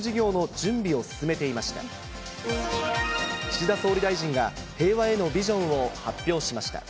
岸田総理大臣が、平和へのビジョンを発表しました。